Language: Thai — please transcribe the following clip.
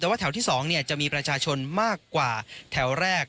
แต่ว่าแถวที่๒จะมีประชาชนมากกว่าแถวแรก